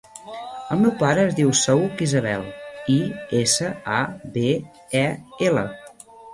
El meu pare es diu Saüc Isabel: i, essa, a, be, e, ela.